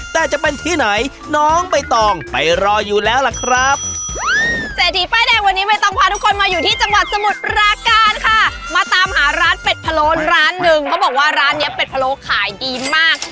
มาตามหาร้านเป็ดผลโหลร้านหนึ่งเขาบอกว่าร้านนี้เป็ดผลโหลขายดีมาก